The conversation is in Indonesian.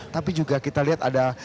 tapi juga kita lihat ada